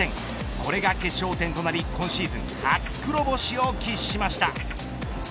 これが決勝点となり今シーズン初黒星を喫しました。